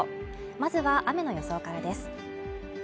まずは雨の予想からです